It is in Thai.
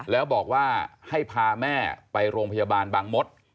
แล้วบอกว่าให้พาแม่ไปโรงพยาบาลบางมศ